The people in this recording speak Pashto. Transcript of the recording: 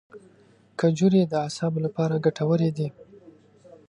کجورې د اعصابو لپاره ګټورې دي.